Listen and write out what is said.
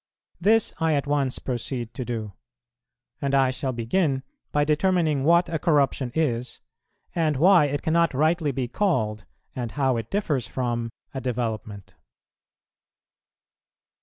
This I at once proceed to do, and I shall begin by determining what a corruption is, and why it cannot rightly be called, and how it differs from, a development.